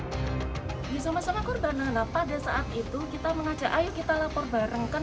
bisa masalah korban anak pada saat itu kita mengajak ayo kita lapor bareng